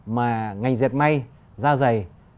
mà ngành giật may da dày